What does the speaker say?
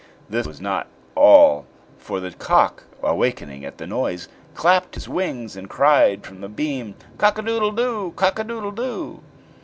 This was not all, for the cock, awaking at the noise, clapped his wings, and cried from the beam: "Cock a doodle doo, cock a doodle do!"